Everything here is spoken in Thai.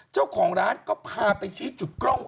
เจ้าของร้านก็พาไปชี้จุดกล้อง